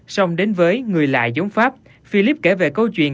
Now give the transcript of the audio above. xong đến với người lạ giống pháp philip kể về câu chuyện